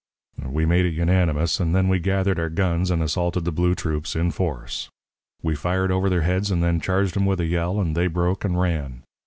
"We made it unanimous, and then we gathered our guns and assaulted the blue troops in force. We fired over their heads, and then charged 'em with a yell, and they broke and ran.